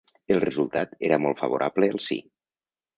El resultat era molt favorable al sí.